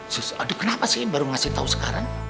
sus aduh kenapa sih baru ngasih tau sekarang